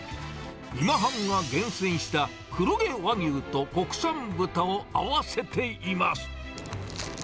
今半が厳選した黒毛和牛と国産豚を合わせています。